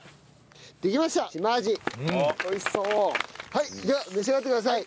はいでは召し上がってください。